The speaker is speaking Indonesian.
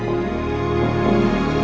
aku akan mencobanya